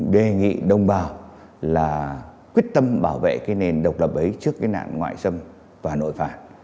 đề nghị đồng bào là quyết tâm bảo vệ cái nền độc lập ấy trước cái nạn ngoại xâm và nội phạt